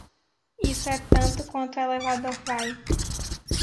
Isso é tanto quanto o elevador vai.